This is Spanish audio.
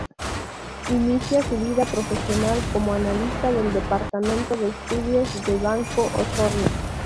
Inició su vida profesional como analista del departamento de estudios de Banco Osorno.